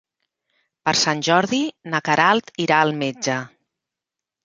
Per Sant Jordi na Queralt irà al metge.